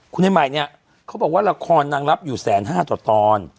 คุณไอ้ใหม่เนี่ยเขาบอกว่าละครนางรับอยู่แสนห้าต่อตอน